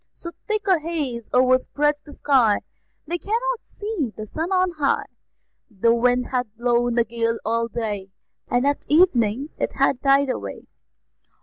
So thick a haze o'erspreads the sky They cannot see the sun on high; The wind hath blown a gale all day, At evening it hath died away.